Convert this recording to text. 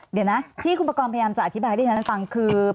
เดี๋ยวนะที่คุณประกอบพยายามจะอธิบายที่ฉันฟังคือ